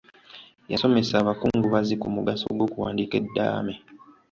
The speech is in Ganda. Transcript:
Yasomesa abakungubazi ku mugaso gw'okuwandiika eddaame.